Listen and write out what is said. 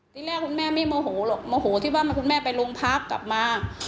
ที่แรกคุณแม่ไม่โมโหหรอกโมโหที่ว่าคุณแม่ไปโรงพักกลับมา